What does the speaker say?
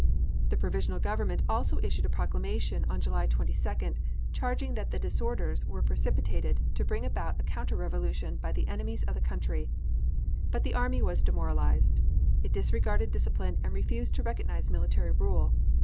The Provisional Government also issued a proclamation on July 22d, charging that the disorders were precipitated to bring about a counter revolution by the enemies of the country. But the army was demoralized. It disregarded discipline and refused to recognize military rule.